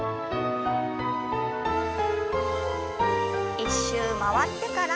１周回ってから。